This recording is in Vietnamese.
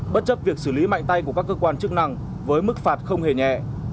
bất chấp việc xử lý mạnh tay của các cơ quan chức năng với mức phạt không hề nhẹ